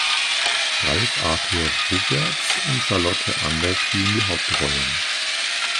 Ralph Arthur Roberts und Charlotte Ander spielen die Hauptrollen.